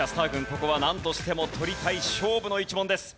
ここはなんとしても取りたい勝負の一問です。